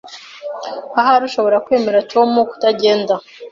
Ahari ushobora kwemeza Tom kutagenda.